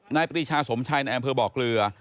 นายปริชาสมชัยอำเภอบอกเรือ